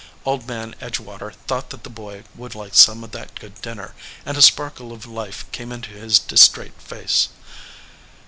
Old Man Etigewater thought that the boy would like some of that good dinner, and a sparkle of life came into his distrait face.